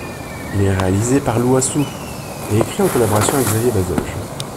Il est réalisé par Lou Assous, et écrit en collaboration avec Xavier Bazoge.